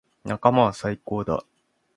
仲間は最高だ。